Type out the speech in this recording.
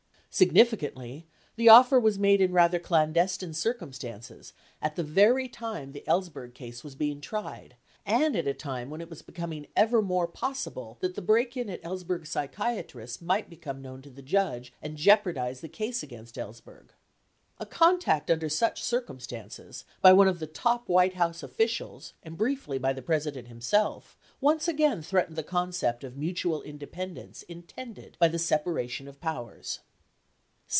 Significantly, the offer was made in rather clandestine circumstances, at the very time the Ellsberg case was being tried, and at a time when it was becoming ever more possible that the break in at Ellsberg's psychiatrist might become known to the judge and jeopardize the case against Ellsberg. 49 A contact under such circumstances, 'by one of the top White House officials and briefly by the President himself, 60 once again threatened the concept of mutual independence intended by the separation of powers.